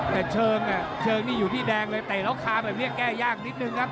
แต่เชิงเชิงนี่อยู่ที่แดงเลยเตะแล้วคาแบบนี้แก้ยากนิดนึงครับ